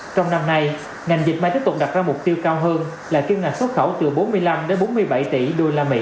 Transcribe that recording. trong năm nay ngành dịch may tiếp tục đặt ra mục tiêu cao hơn là kiếm ngành xuất khẩu từ bốn mươi năm đến bốn mươi bảy tỷ usd